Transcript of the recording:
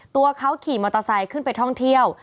ตัวเขาขี่มอเตอร์ไซค์ขึ้นไปท่องเที่ยว